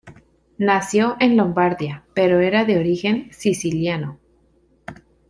Nació en Lombardia pero era de origen siciliano.